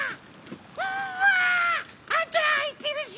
うわあなあいてるし！